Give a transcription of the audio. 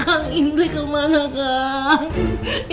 kang indri kemana kang